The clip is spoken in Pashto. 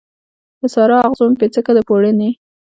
د سارا، اغزو مې پیڅکه د پوړنې